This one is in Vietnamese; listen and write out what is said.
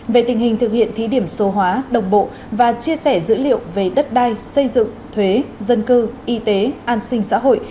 về tình hình thực hiện thí điểm số hóa đồng bộ và chia sẻ dữ liệu về đất đai xây dựng thuế dân cư y tế an sinh xã hội